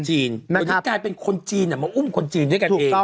อย่างนี้กลายเป็นคนจีนอ่ะมาอุ้มคนจีนด้วยกันเองที่บ้านเรา